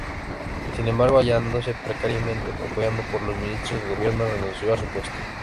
Sin embargo, hallándose precariamente apoyado por los ministros del gobierno, renunció a su puesto.